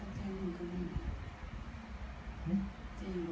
อันนี้ก็ไม่มีเจ้าพ่อหรอก